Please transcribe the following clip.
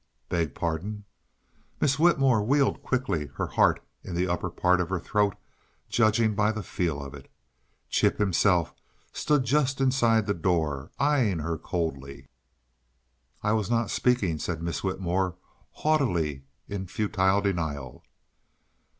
"Beg pardon?" Miss Whitmore wheeled quickly, her heart in the upper part of her throat, judging by the feel of it. Chip himself stood just inside the door, eying her coldly. "I was not speaking," said Miss Whitmore, haughtily, in futile denial.